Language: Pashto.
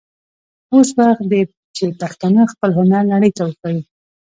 اوس وخت دی چې پښتانه خپل هنر نړۍ ته وښايي.